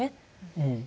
うん。